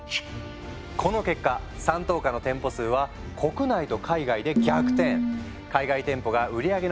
この結果山頭火の店舗数は国内と海外で逆転。